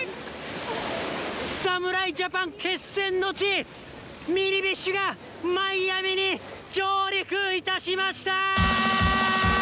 侍ジャパン決戦の地、ミニビッシュがマイアミに上陸いたしました。